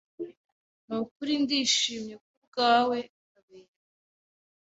Nukuri ndishimye kubwawe, Kabera.